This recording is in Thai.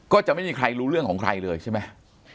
ก็จะไม่มีใครรู้เรื่องของใครเลยใช่ไหม